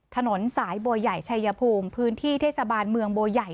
ถนนสายบัวใหญ่ชายภูมิพื้นที่เทศบาลเมืองบัวใหญ่